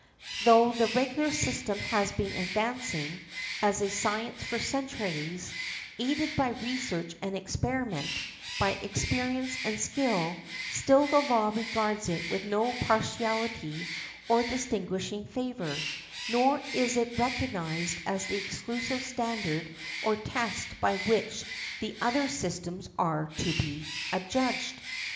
Though the regular system has been advancing as a science for centuries, aided by research and experiment, by experience and skill, still the law regards it with no partiality or distinguishing favour, nor is it recognized as the exclusive standard or test by which the other systems are to be adjudged" .